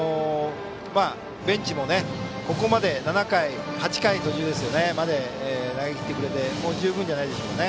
ベンチもここまで８回まで投げきってくれてもう十分じゃないでしょうかね。